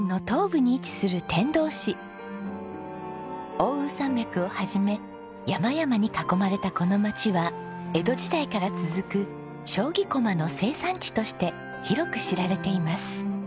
奥羽山脈を始め山々に囲まれたこの町は江戸時代から続く将棋駒の生産地として広く知られています。